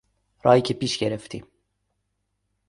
راهی که پیش گرفتیم